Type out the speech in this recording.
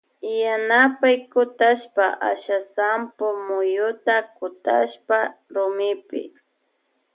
Yanapay kutashpa asha sampo muyuta kutana rumipi.